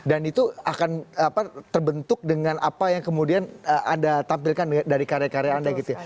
dan itu akan terbentuk dengan apa yang kemudian anda tampilkan dari karya karya anda gitu ya